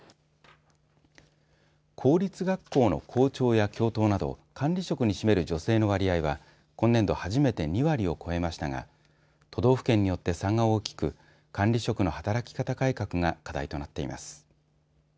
公立学校の校長や教頭など管理職に占める女性の割合は今年度初めて２割を超えましたが都道府県によって差が大きく管理職の働き方改革が課題となっています。